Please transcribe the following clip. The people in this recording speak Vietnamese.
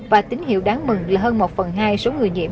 và tín hiệu đáng mừng là hơn một phần hai số người nhiễm